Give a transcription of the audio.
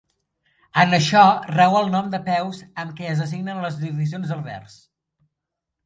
En això rau el nom de peus amb què es designen les divisions del vers.